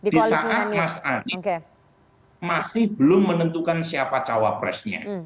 di saat mas anies masih belum menentukan siapa cawapresnya